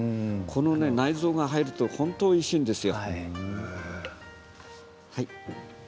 内臓も入ると本当においしいんです。